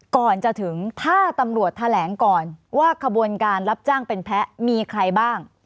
ก่อนจะถึงถ้าตำรวจแถลงก่อนว่าขบวนการรับจ้างเป็นแพ้มีใครบ้าง